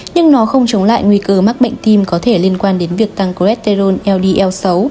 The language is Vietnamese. nhưng nó không chống lại nguy cơ mắc bệnh tim có thể liên quan đến việc tăng cholesterol ld xấu